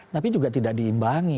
tapi juga tidak diimbangi